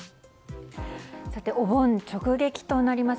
お盆直撃となります